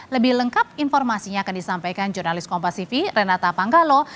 dilengkap informasinya akan disampaikan jurnalis kompasivi renata panggalo